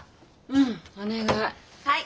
うんお願い。